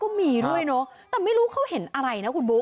ก็มีด้วยเนอะแต่ไม่รู้เขาเห็นอะไรนะคุณบุ๊